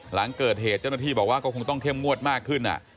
หลังเกิดเหตุเจ้าหน้าที่บอกว่าก็คงต้องเข้มงวดมากขึ้น